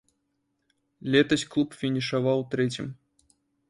Летась клуб фінішаваў трэцім.